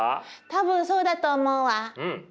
多分そうだと思うわ。